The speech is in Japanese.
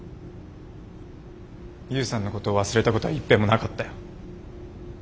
悠さんのことを忘れたことはいっぺんもなかったよ。